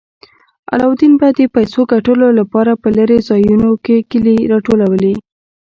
علاوالدین به د پیسو ګټلو لپاره په لیرې ځایونو کې کیلې راټولولې.